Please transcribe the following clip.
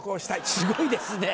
すごいですね